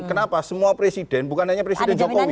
kenapa semua presiden bukan hanya presiden jokowi